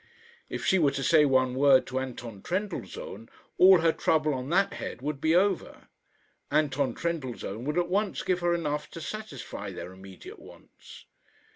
If she were to say one word to Anton Trendellsohn, all her trouble on that head would be over. Anton Trendellsohn would at once give her enough to satisfy their immediate wants.